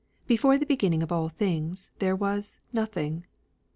Before the beginning of all things, there was Nothing.